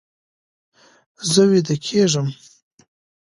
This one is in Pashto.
زه ویده کیږم